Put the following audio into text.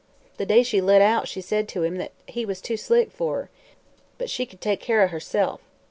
The day she lit out she said to him that he was too slick for her, but she could take care o' herself.